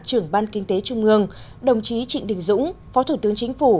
trưởng ban kinh tế trung ương đồng chí trịnh đình dũng phó thủ tướng chính phủ